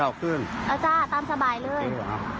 เอาจ้าตามสบายเลย